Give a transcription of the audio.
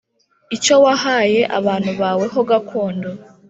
icyo wahaye abantu bawe ho gakondo.